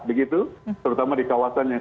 begitu terutama di kawasan yang